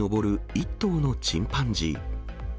１頭のチンパンジー。